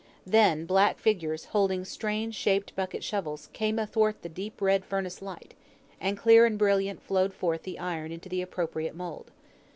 Then, black figures, holding strange shaped bucket shovels, came athwart the deep red furnace light, and clear and brilliant flowed forth the iron into the appropriate mould.